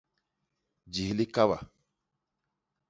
Jis li kaba.